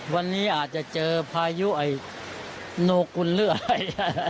วันนี้อาจจะเจอพายุไอ้โนกุลหรืออะไร